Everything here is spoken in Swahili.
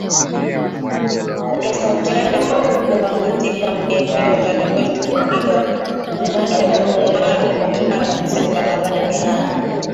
Hutofautiana pakubwa katika maeneo yanayoshuhudiwa ugonjwa huu mara kwa mara visa vya maradhi hayo